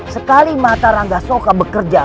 sekali mata rangga soka bekerja